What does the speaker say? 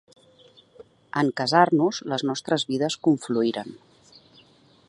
En casar-nos les nostres vides confluïren.